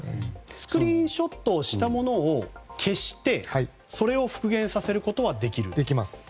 スクリーンショットをしたものを消してそれを復元させることはできると。